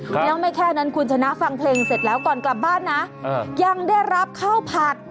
แล้วไม่แค่นั้นคุณชนะฟังเพลงเสร็จแล้วก่อนกลับบ้านนะยังได้รับข้าวผัด